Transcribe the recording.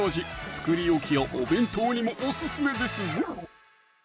作り置きやお弁当にもオススメですぞ！